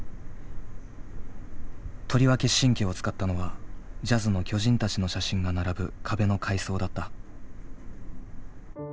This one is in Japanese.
とりわけ神経を使ったのはジャズの巨人たちの写真が並ぶ壁の改装だった。